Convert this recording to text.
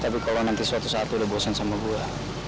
tapi kalau nanti suatu saat udah bosen sama gue